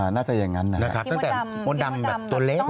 น่าจะอย่างนั้นนะครับตั้งแต่มดดำแบบตัวเล็ก